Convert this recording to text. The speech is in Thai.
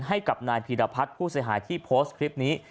ให้กับนายพีรพัฒน์ผู้เสียหายที่โพสต์คลิปนี้